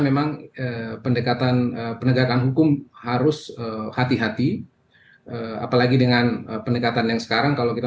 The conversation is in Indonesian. memang pendekatan penegakan hukum harus hati hati apalagi dengan pendekatan yang sekarang kalau kita